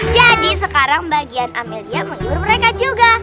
jadi sekarang bagian amalia menghibur mereka juga